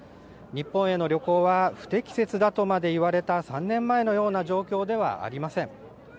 日本への旅行は不適切だとまでいわれた３年前のような状況ではありません。